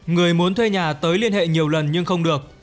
người muốn thuê nhà tới liên hệ nhiều lần nhưng không được